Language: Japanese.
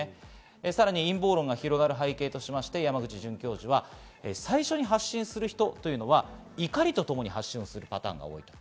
さらに陰謀論が広がる背景として、山口准教授は最初に発信する人は怒りとともに発信するパターンが多い。